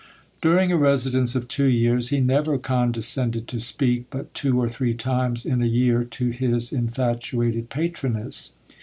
During a residence of two years, he never condescended to speak but two or three times in a year to his infatuated patroness.